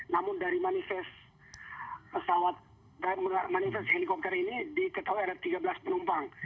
namun dari manifest pesawat manifest helikopter ini diketahui ada tiga belas penumpang